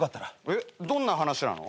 えっどんな話なの？